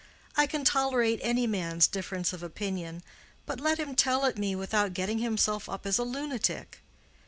I can tolerate any man's difference of opinion, but let him tell it me without getting himself up as a lunatic.